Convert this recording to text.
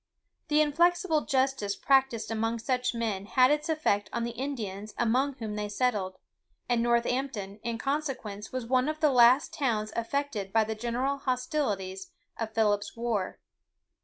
The inflexible justice practised among such men had its effect on the Indians among whom they settled; and Northampton, in consequence, was one of the last towns affected by the general hostilities of Philip's war.